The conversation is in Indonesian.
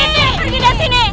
pergi dari sini